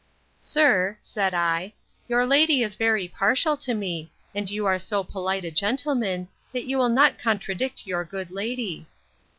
Sir, said I, your lady is very partial to me; and you are so polite a gentleman, that you will not contradict your good lady.